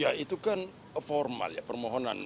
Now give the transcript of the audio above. ya itu kan formal ya permohonan